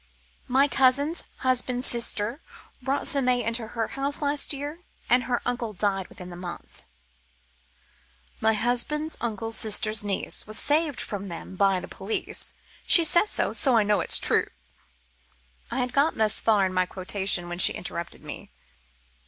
"My cousin's husband's sister brought some may into her house last year, and her uncle died within the month." "My husband's uncle's sister's niece Was saved from them by the police. She says so, so I know it's true " I had got thus far in my quotation when she interrupted me.